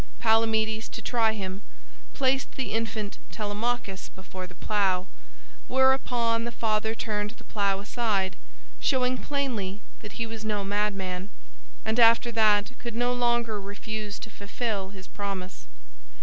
Palamedes, to try him, placed the infant Telemachus before the plough, whereupon the father turned the plough aside, showing plainly that he was no madman, and after that could no longer refuse to fulfil his promise.